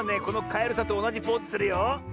このカエルさんとおなじポーズするよ。